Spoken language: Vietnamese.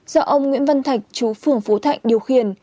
do ông nguyễn văn thạch chú phường phú thạnh điều khiển